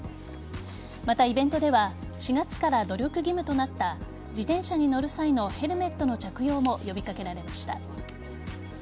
また、イベントでは４月から努力義務となった自転車に乗る際のヘルメットの着用も呼び掛けられました。